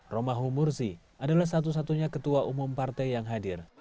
romahum mursi adalah satu satunya ketua umum partai yang hadir